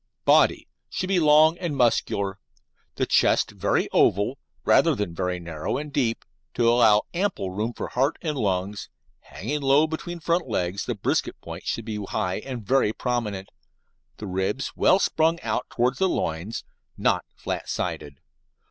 BODY Should be long and muscular, the chest very oval, rather than very narrow and deep, to allow ample room for heart and lungs, hanging low between front legs, the brisket point should be high and very prominent, the ribs well sprung out towards the loins (not flat sided).